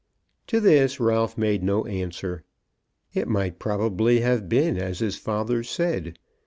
To this Ralph made no answer. It might probably have been as his father said.